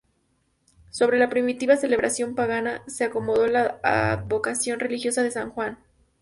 Sobre la primitiva celebración pagana se acomodó la advocación religiosa de San Juan.